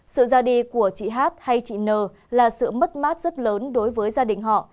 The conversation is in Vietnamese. sự ra đi của chị hát hay chị n là sự mất mát rất lớn đối với gia đình họ